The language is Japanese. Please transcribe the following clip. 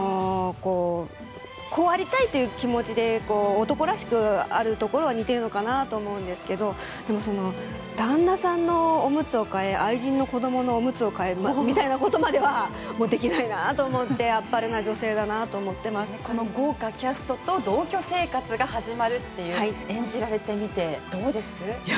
こうありたいという気持ちで男らしくあるところは似ているのかなと思うんですけどでもその旦那さんのオムツを替え愛人の子供のオムツを替えますみたいなことまではもうできないなと思ってあっぱれな女性だなとこの豪華キャストと同居生活が始まるっていう演じられてみてどうですね